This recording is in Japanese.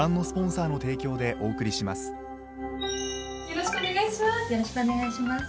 よろしくお願いします。